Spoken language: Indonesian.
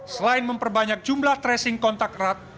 selain memperbanyak jumlah tracing kontak erat